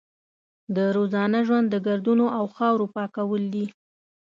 د روزانه ژوند د ګردونو او خاورو پاکول دي.